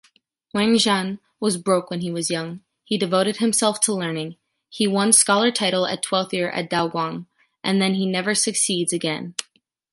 Wang Zhang was broke when he was young. He devoted himself to learning. He won scholar title at twelfth year of Daoguang, and then he never succeeds again.